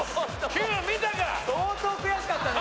９見たか！